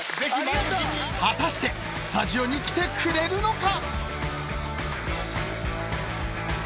果たしてスタジオに来てくれるのか。